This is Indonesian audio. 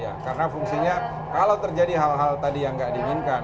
ya karena fungsinya kalau terjadi hal hal tadi yang nggak diinginkan